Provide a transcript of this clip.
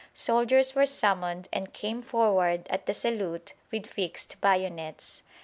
Soldiers were summoned and came forward at the salute with fixed bayonets.